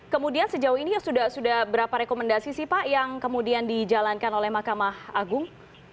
kemudian sejauh ini sudah berapa rekomendasi sih pak yang kemudian dijalankan oleh mahkamah agung